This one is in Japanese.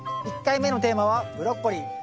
１回目のテーマはブロッコリー。